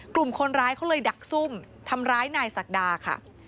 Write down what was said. กลุ่มคนร้ายเขาเลยดักซุ่มทำร้ายนายศักดาค่ะ